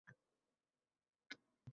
Qanday qilib shunchalar yomon yozadi.